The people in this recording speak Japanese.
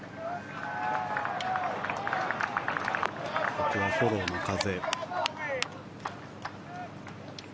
ここはフォローの風。